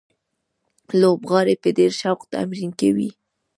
لوبغاړي په ډېر شوق تمرین کوي.